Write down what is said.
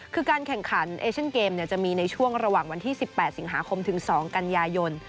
คือการแข่งขันเอเชียนเกมจะมีในช่วงระหว่างวันที่๑๘สิงหาคมถึง๒กันยายน